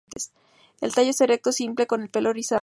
El tallo es erecto, simple y con pelo rizado.